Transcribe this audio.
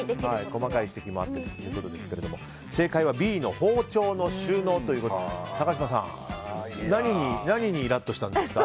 細かい指摘もあってということですが正解はＢの包丁の収納ということで高嶋さん何にイラッとしたんですか？